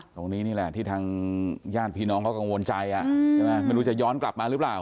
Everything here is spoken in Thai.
ตรงนี้นี่แหละที่ทางญาติพี่น้องเขากังวลใจใช่ไหมไม่รู้จะย้อนกลับมาหรือเปล่า